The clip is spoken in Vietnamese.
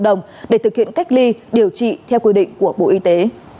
đồng để thực hiện cách ly điều trị theo quy định của bộ y tế